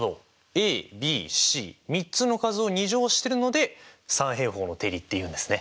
ａｂｃ３つの数を２乗してるので三平方の定理っていうんですね。